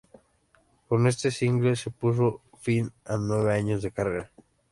Con este single se puso fin a nueve años de carrera.